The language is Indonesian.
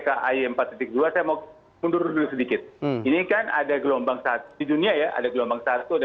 kay empat dua saya mau mundur dulu sedikit ini kan ada gelombang satu di dunia ya ada gelombang satu ada